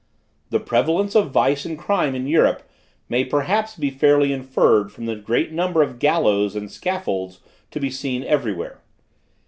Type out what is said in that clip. "The prevalence of vice and crime in Europe may perhaps be fairly inferred from the great number of gallows and scaffolds to be seen everywhere.